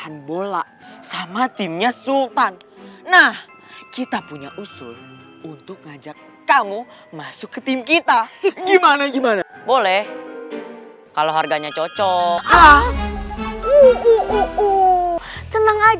kalau kita punya usul untuk ngajak kamu masuk ke tim kita gimana gimana boleh kalau harganya cocok